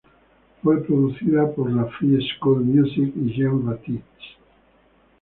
Fue producida por la Free School Music y Jean Baptiste.